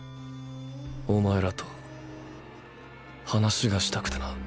お前らと話がしたくてな。